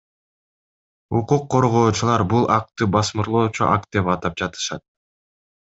Укук коргоочулар бул актты басмырлоочу акт деп атап жатышат.